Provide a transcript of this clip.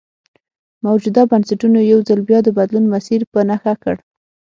موجوده بنسټونو یو ځل بیا د بدلون مسیر په نښه کړ.